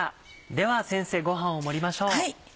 では先生ごはんを盛りましょう。